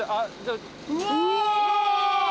うわ！